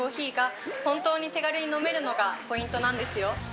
がポイントなんですよ。